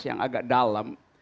yang agak dalam